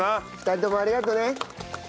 ２人ともありがとね。